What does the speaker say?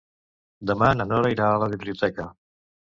Demà na Nora irà a la biblioteca.